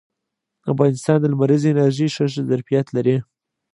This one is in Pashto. افغانستان د لمریزې انرژۍ ښه ظرفیت لري